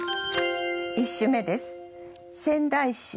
１首目です。